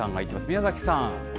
宮崎さん。